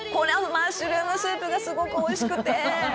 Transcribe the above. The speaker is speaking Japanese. マッシュルームスープがすごく美味しくて！」